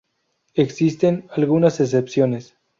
Existen algunas excepciones.